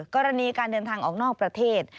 กรณีการเดินทางออกนอกประเทศ